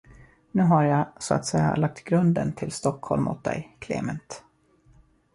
Nu har jag, så att säga, lagt grunden till Stockholm åt dig, Klement.